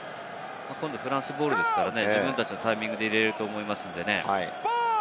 今度フランスボールですからね、自分たちのタイミングで入れられると思いますね。